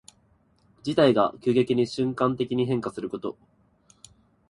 事態が急激に瞬間的に変化すること。